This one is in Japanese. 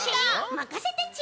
まかせてち。